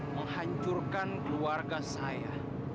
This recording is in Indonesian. menghancurkan keluarga saya